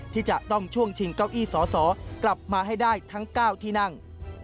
ที่จะต้องช่วงชิงเก้าอี้สอสอกลับมาให้ได้ทั้ง๙ที่นั่ง